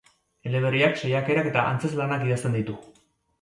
Eleberriak, saiakerak eta antzezlanak idazten ditu.